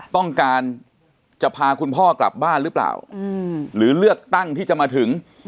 ต้องการจะพาคุณพ่อกลับบ้านหรือเปล่าหรือเลือกตั้งที่จะมาถึง